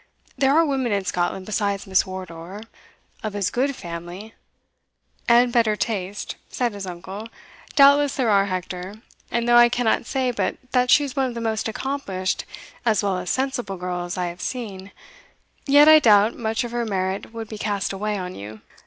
There are women in Scotland besides Miss Wardour, of as good family" "And better taste," said his uncle; "doubtless there are, Hector; and though I cannot say but that she is one of the most accomplished as well as sensible girls I have seen, yet I doubt, much of her merit would be cast away on you.